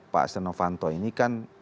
pak setia novanto ini kan